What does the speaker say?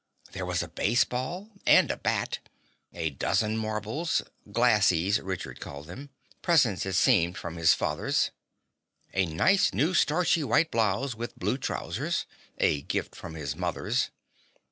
There was a baseball, and a bat, a dozen marbles "glassies" Richard called them, presents it seemed from his fathers; a nice, new, starchy white blouse with blue trousers, a gift from his mothers.